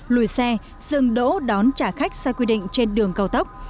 lùi xe dừng đỗ đón trả khách sai quy định trên đường cao tốc